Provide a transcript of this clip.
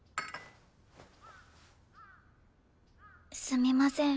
すみません